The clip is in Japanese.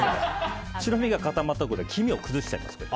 白身が固まったところで黄身を崩しちゃいます。